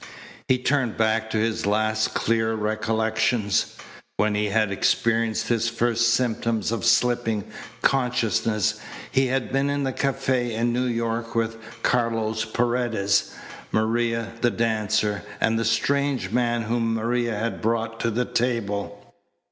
He turned back to his last clear recollections. When he had experienced his first symptoms of slipping consciousness he had been in the cafe in New York with Carlos Paredes, Maria, the dancer, and a strange man whom Maria had brought to the table.